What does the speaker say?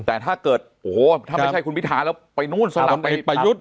แต่ถ้าเกิดโอ้โหถ้าไม่ใช่คุณพิทาแล้วไปนู่นสลับไปประยุทธ์